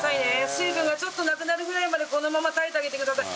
水分がちょっとなくなるぐらいまでこのまま耐えてあげてください。